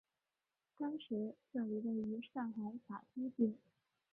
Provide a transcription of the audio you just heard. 当时这里位于上海法租界。